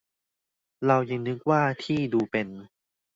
เรายังนึกว่าที่ดูเป็น